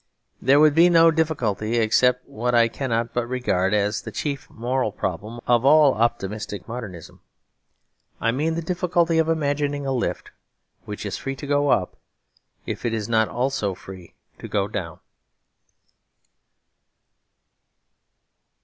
There would be no difficulty, except what I cannot but regard as the chief moral problem of all optimistic modernism. I mean the difficulty of imagining a lift which is free to go up, if it is not also free to go down.